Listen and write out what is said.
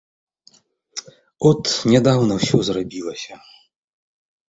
От нядаўна ўсё зрабілася.